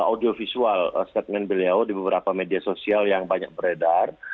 audiovisual statement beliau di beberapa media sosial yang banyak beredar